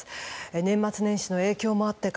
年末年始の影響もあってか